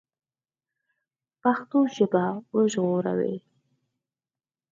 پښتو ژبه وژغورئ